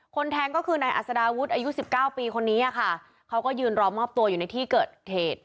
แทงก็คือนายอัศดาวุฒิอายุสิบเก้าปีคนนี้ค่ะเขาก็ยืนรอมอบตัวอยู่ในที่เกิดเหตุ